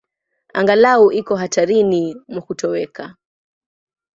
Angalau iko hatarini mwa kutoweka.